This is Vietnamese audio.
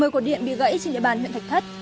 một mươi cột điện bị gãy trên địa bàn huyện thạch thất